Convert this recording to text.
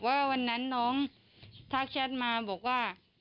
ว่าวันนั้นน้องทักแชทมาบอกว่า